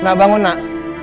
nak bangun nak